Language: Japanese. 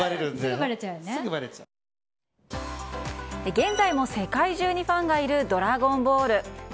現在も世界中にファンがいる「ドラゴンボール」。